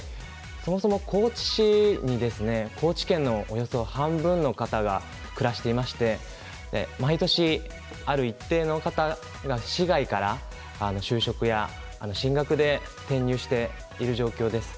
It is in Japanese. そもそも高知市に高知県のおよそ半分の方が暮らしていまして毎年ある一定の方が市外から就職や進学で転入している状況です。